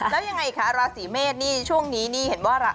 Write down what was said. แล้วยังไงคะราศีเมษนี่ช่วงนี้นี่เห็นว่า